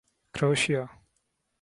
کروشیا